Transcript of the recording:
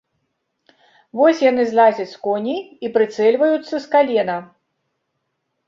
Вось яны злазяць з коней і прыцэльваюцца з калена.